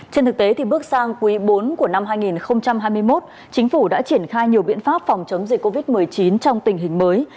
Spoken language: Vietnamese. trên thực tế bước sang quý bốn của năm hai nghìn hai mươi một chính phủ đã triển khai nhiều biện pháp phòng chống dịch covid một mươi chín trong tình hình mới